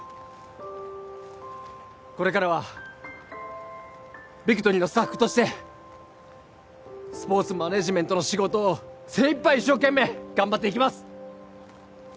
これからはビクトリーのスタッフとしてスポーツマネージメントの仕事を精いっぱい一生懸命頑張っていきます